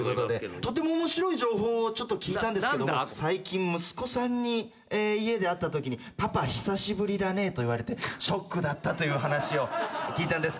とても面白い情報を聞いたんですけども最近息子さんに家で会ったときに「パパ久しぶりだね」と言われてショックだったという話を聞いたんですけども。